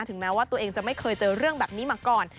แม้ว่าตัวเองจะไม่เคยเจอเรื่องแบบนี้มาก่อน